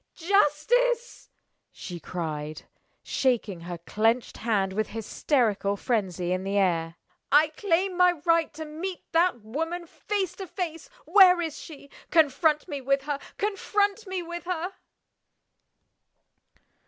"Justice!" she cried, shaking her clinched hand with hysterical frenzy in the air. "I claim my right to meet that woman face to face! Where is she? Confront me with her! Confront me with her!"